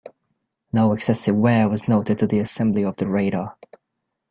No excessive wear was noted to the assembly of the Radar.